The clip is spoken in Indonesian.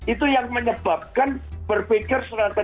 itu yang menyebabkan berpikir strategiknya itu ada